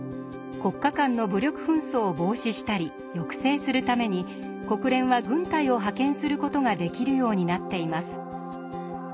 国家間の武力紛争を防止したり抑制するために国連は軍隊を派遣する事ができるようになっています。